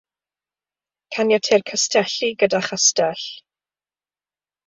Caniateir castellu gyda chastell.